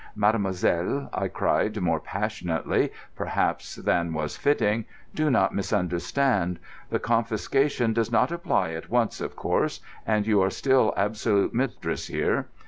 "Mademoiselle," I cried, more passionately, perhaps, than was fitting, "do not misunderstand. The confiscation does not apply at once, of course, and you are still absolute mistress here.